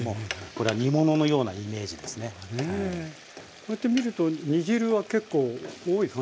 こうやって見ると煮汁は結構多い感じで。